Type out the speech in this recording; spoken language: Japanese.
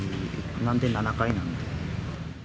なんで７階なん？